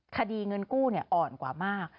คดีเงินกู้อ่อนกว่ามาก